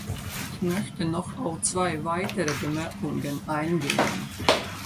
Ich möchte noch auf zwei weitere Bemerkungen eingehen.